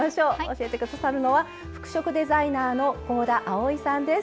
教えてくださるのは服飾デザイナーの香田あおいさんです。